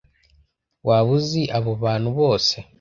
Waba uzi abo bantu bose?